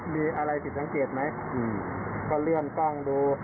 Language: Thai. มีอะไรสิทธิ์ลังเกลียดไหมก็เลื่อนกล้องดู